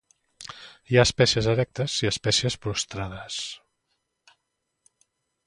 Hi ha espècies erectes i espècies prostrades.